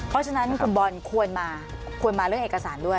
เพราะฉะนั้นคุณบอลควรมาควรมาเรื่องเอกสารด้วย